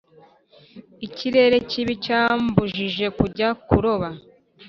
] ikirere kibi cyambujije kujya kuroba.